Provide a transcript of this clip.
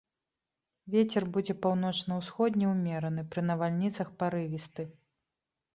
Вецер будзе паўночна-ўсходні ўмераны, пры навальніцах парывісты.